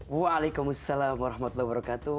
waalaikumsalam warahmatullahi wabarakatuh